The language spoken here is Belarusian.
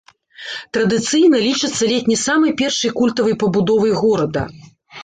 Традыцыйна лічыцца ледзь не самай першай культавай пабудовай горада.